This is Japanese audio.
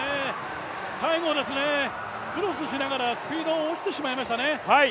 最後、クロスしながらスピードが落ちてしまいましたね。